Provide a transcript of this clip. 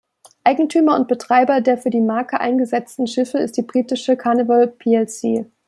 Eigentümer und Betreiber der für die Marke eingesetzten Schiffe ist die britische "Carnival plc".